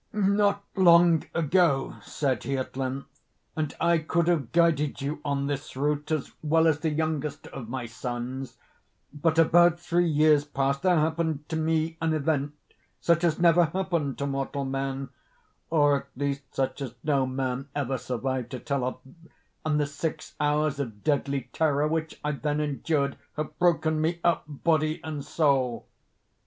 "Not long ago," said he at length, "and I could have guided you on this route as well as the youngest of my sons; but, about three years past, there happened to me an event such as never happened to mortal man—or at least such as no man ever survived to tell of—and the six hours of deadly terror which I then endured have broken me up body and soul.